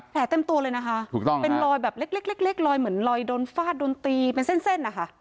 แผลเต็มตัวเลยนะฮะเป็นลอยแบบเล็กลอยเหมือนลอยโดนฟาดโดนตีเป็นเส้นอะค่ะ